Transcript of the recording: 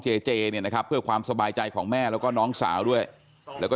เจเจเนี่ยนะครับเพื่อความสบายใจของแม่แล้วก็น้องสาวด้วยแล้วก็